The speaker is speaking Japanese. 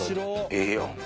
ええやん。